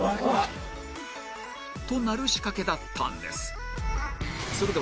なる仕掛けだったんです